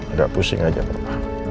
udah pusing aja pak